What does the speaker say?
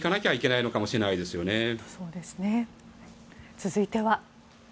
続いては。